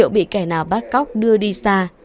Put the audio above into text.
vì kẻ nào bắt cóc đưa đi xa